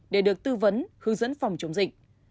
để được tư vấn hướng dẫn phòng chống dịch